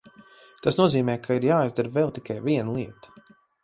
Tas nozīmē, ka ir jāizdara vēl tikai viena lieta.